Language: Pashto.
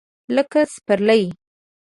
لکه سپرلی !